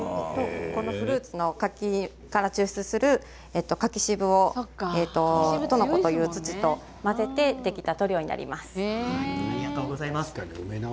フルーツの柿から抽出する柿渋を砥の粉という土と混ぜて塗料にしています。